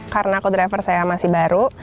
karena co driver saya masih baru